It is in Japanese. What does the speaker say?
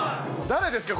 誰ですか？